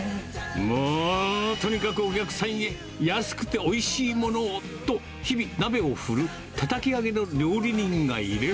もうとにかくお客さんへ、安くておいしいものをと、日々、鍋を振るうたたき上げの料理人がいれば。